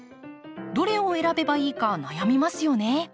どれを選べばいいか悩みますよね。